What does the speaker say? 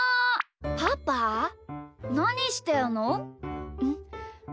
パパなにしてるの？